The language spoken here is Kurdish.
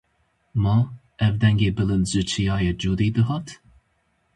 Ma, ev dengê bilind ji çiyayê Cûdî dihat ?